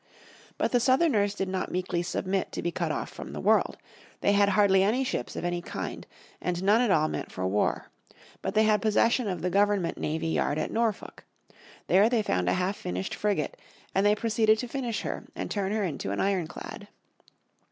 But the Southerners did not meekly submit to be cut off from the world. They had hardly any ships of any kind, and none at all meant for war. But they had possession of the Government navy yard at Norfolk. There they found a half finished frigate, and they proceeded to finish her, and turn her into an ironclad.